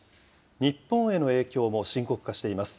日本への影響も深刻化しています。